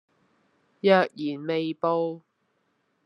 若然未報